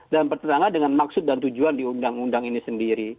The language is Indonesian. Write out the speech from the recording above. dan bertetangga dengan maksud dan tujuan di undang undang ini sendiri